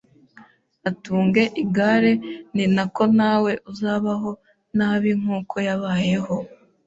atunge igare ni nako nawe uzabaho nabi nkuko yabayeho,